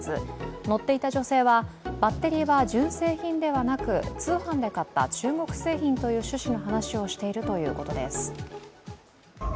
乗っていた女性は、バッテリーは純正品ではなく通販で買った中国製品という趣旨の話をしているということです。